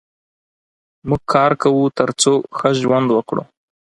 موږ کار کوو تر څو ښه ژوند وکړو.